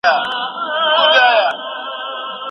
تاسو باید په سختو حالاتو کې ارام پاتې شئ او فکر وکړئ.